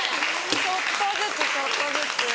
ちょっとずつちょっとずつ。